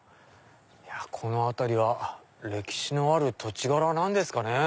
この辺りは歴史のある土地柄なんですかね。